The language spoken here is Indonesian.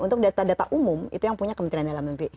untuk data data umum itu yang punya kementerian dalam negeri